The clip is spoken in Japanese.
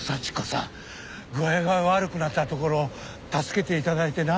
具合が悪くなったところを助けて頂いてな。